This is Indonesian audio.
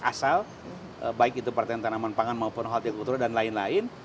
asal baik itu pertanian tanaman pangan maupun holti kultur dan lain lain